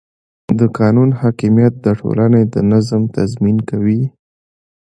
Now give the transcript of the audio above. د قانون حاکمیت د ټولنې د نظم تضمین کوي